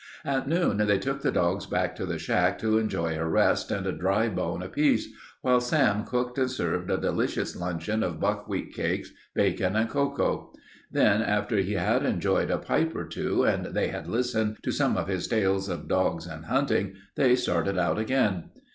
At noon they took the dogs back to the shack to enjoy a rest and a dry bone apiece, while Sam cooked and served a delicious luncheon of buckwheat cakes, bacon, and cocoa. Then, after he had enjoyed a pipe or two and they had listened to some of his tales of dogs and hunting, they started out again.